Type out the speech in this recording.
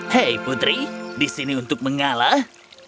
hei putri di sini untuk mengalah